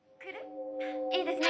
いいですね！